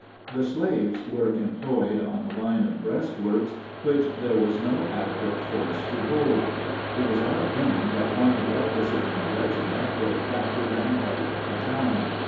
The slaves were employed on a line of breastworks which there was no adequate force to hold. It was our opinion that one well disciplined regiment could have captured and held the town.